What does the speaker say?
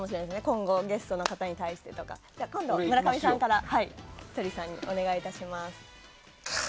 今後、ゲストの方に対してだとか。では今度、村上さんからひとりさんにお願いします。